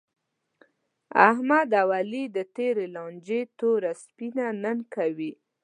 احمد او علي د تېرې لانجې توره سپینه نن کوي.